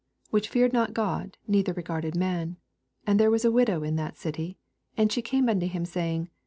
which feared not God, neither regarded man t 8 An<d there was a widow in that Qi^ y and she came unto him, saying.